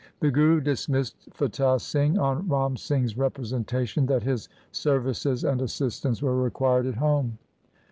The Guru dismissed Fatah Singh on Ram Singh's representation that his ser vices and assistance were required at home.